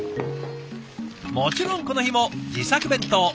もちろんこの日も自作弁当。